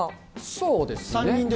そうですね。